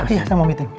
iya saya mau meeting